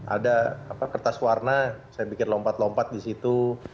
ada kertas warna saya bikin lompat lompat di situ